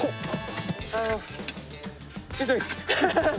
しんどいっす。